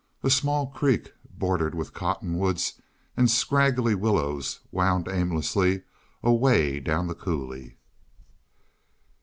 A small creek, bordered with cottonwoods and scraggly willows, wound aimlessly away down the coulee.